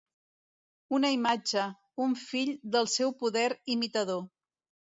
Una imatge, un fill del seu poder imitador